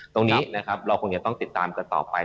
ตรงนี้นะครับเราคงจะต้องติดตามกันต่อไป